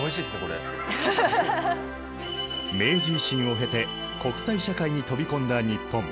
明治維新を経て国際社会に飛び込んだ日本。